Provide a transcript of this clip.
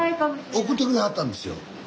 送ってくれはったんですよ。